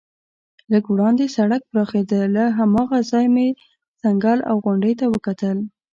لږ وړاندې سړک پراخېده، له هماغه ځایه مې ځنګل او غونډۍ ته وکتل.